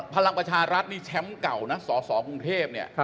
พลังประชารัฐนี่แชมป์เก่านะสสกรุงเทพเนี่ย